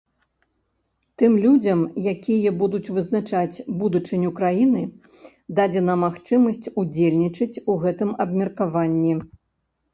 Тым людзям, якія будуць вызначаць будучыню краіны, дадзена магчымасць удзельнічаць у гэтым абмеркаванні.